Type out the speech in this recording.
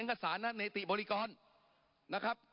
ปรับไปเท่าไหร่ทราบไหมครับ